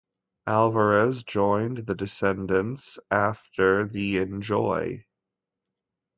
Alvarez joined the Descendants after the Enjoy!